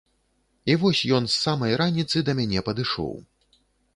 І вось ён з самай раніцы да мяне падышоў.